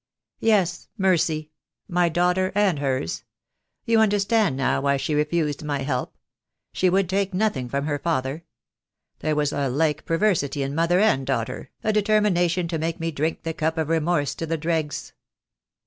"Yes, Mercy. My daughter and hers. You under stand now why she refused my help. She would take nothing from her father. There was a like perversity in mother and daughter, a determination to make me drink the cup of remorse to the dregs.